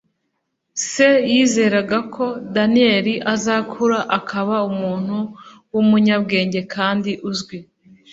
Se yizeraga ko Daniel azakura akaba umuntu w'umunyabwenge kandi uzwi.